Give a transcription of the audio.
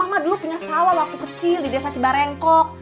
mama dulu punya sawah waktu kecil di desa cibarengkok